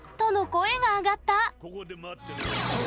声が上がった！